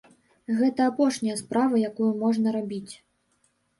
Гэта апошняя справа, якую можна рабіць.